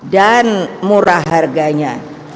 dan murah harganya